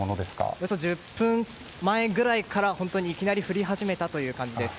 およそ１０分前くらいからいきなり降り始めた感じです。